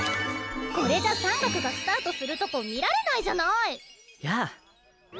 これじゃ山岳がスタートするとこ見られないじゃない！やぁ。